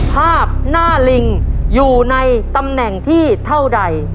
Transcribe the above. ภาพหน้าลิงอยู่ในตำแหน่งที่เท่าใด